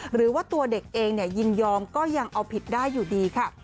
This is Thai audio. หรือว่าตัวเด็กเองยินยอมก็ยังเอาผิดได้อยู่ดีค่ะ